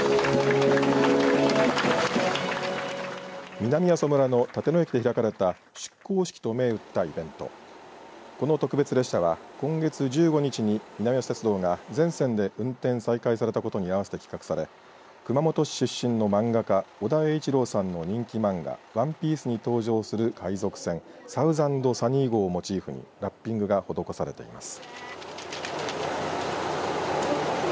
南阿蘇村の立野駅で開かれた出航式と銘打ったイベントこの特別列車は今月１５日に南阿蘇鉄道が全線で運転再開されたことに合わせて企画され熊本市出身の漫画家尾田栄一郎さんの人気漫画ＯＮＥＰＩＥＣＥに登場する海賊船サウザンド・サニー号をモチーフにラッピングが施されています。